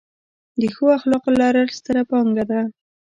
د ښو اخلاقو لرل، ستره پانګه ده.